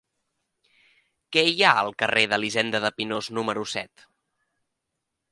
Què hi ha al carrer d'Elisenda de Pinós número set?